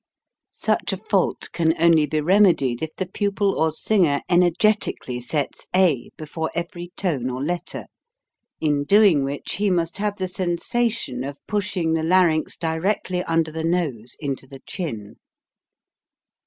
Such a fault can only be remedied if the pupil or singer energetically sets a before every tone or letter, in doing which he must 76 HOW TO SING have the sensation of pushing the larynx directly under the nose into the chin.